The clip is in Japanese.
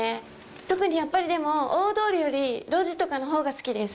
特に、やっぱりでも大通りより路地とかのほうが好きです。